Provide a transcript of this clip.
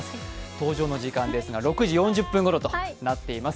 登場の時間ですが、６時４０分ごろとなっています。